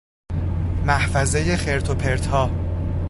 محفظهٔ خرت و پرتها